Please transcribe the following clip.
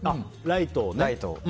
ライトを。